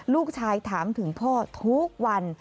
ลูกชายถามถึงพ่อทุกวัน